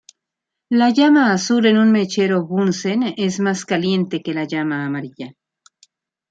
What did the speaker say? La llama azul en un mechero Bunsen es más caliente que la llama amarilla.